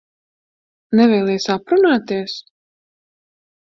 Nevēlies aprunāties?